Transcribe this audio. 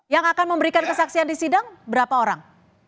yang akan memberikan kesaksian di sidang berapa orang